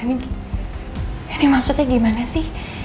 ini maksudnya gimana sih